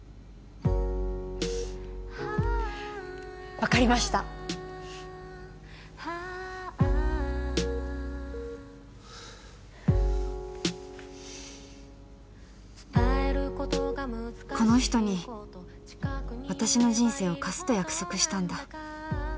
分かりましたこの人に私の人生を貸すと約束したんだ